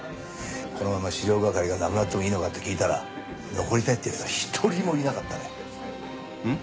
「このまま資料係がなくなってもいいのか？」って聞いたら残りたいって奴は一人もいなかったね。